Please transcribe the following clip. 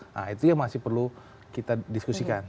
nah itu yang masih perlu kita diskusikan